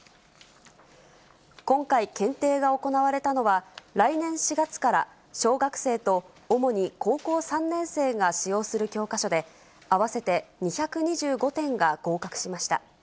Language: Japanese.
今回、検定が行われたのは、来年４月から小学生と主に高校３年生が使用する教科書で、合わせて２２５点が合格しました。